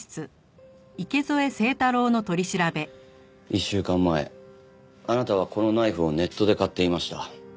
１週間前あなたはこのナイフをネットで買っていました。